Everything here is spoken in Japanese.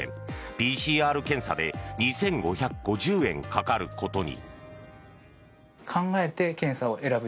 ＰＣＲ検査で２５５０円かかることに。